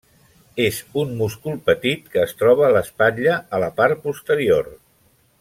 És un múscul petit que es troba a l'espatlla, a la part posterior.